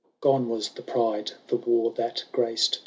Gone was the pride the war that graced.